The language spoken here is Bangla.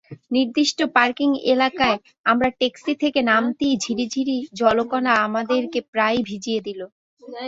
নির্দিষ্ট পার্কিং এলাকায় আমরা ট্যাক্সি থেকে নামতেই ঝিরিঝিরি জলকণা আমাদেরকে প্রায়ই ভিজিয়ে দিল।